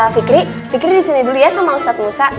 fikri fikri disini dulu ya sama ustadz musa